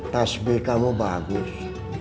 tas b kamu bagus